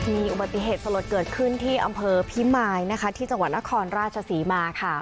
มีอุบัติเหตุสลดเกิดขึ้นที่อำเภอพิมายที่จังหวัดนครราชศรีมาค่ะ